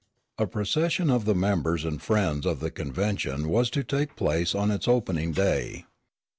A procession of the members and friends of the convention was to take place on its opening day.